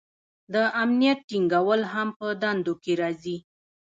د امنیت ټینګول هم په دندو کې راځي.